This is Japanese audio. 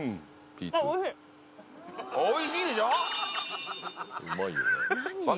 おいしいでしょ！